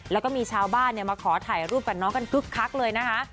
แล้วก็มีชาวบ้านมาขอถ่ายรูปกับน้องกันคึกคักเลยนะคะ